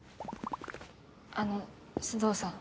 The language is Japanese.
あの須藤さん。